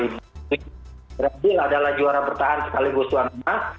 brazil adalah juara bertahan sekaligus suamanya